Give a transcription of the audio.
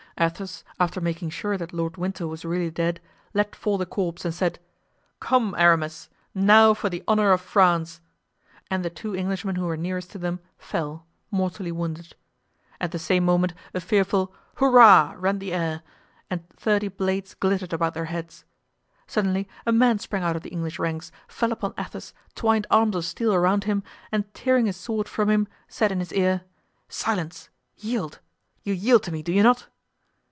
Athos, after making sure that Lord Winter was really dead, let fall the corpse and said: "Come, Aramis, now for the honor of France!" and the two Englishmen who were nearest to them fell, mortally wounded. At the same moment a fearful "hurrah!" rent the air and thirty blades glittered about their heads. Suddenly a man sprang out of the English ranks, fell upon Athos, twined arms of steel around him, and tearing his sword from him, said in his ear: "Silence! yield—you yield to me, do you not?"